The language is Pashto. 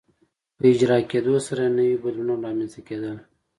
په اجرا کېدو سره یې نوي بدلونونه رامنځته کېدل.